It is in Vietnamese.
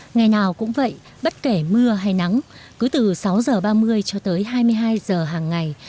ngày nào cũng vậy bất kể mưa hay nắng cứ từ sáu h ba mươi cho tới hai mươi hai h hàng ngày